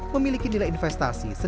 memiliki nilai investasi yang besar